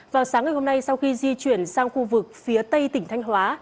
vào sáng ngày hôm nay sau khi di chuyển sang khu vực phía tây tỉnh thanh hóa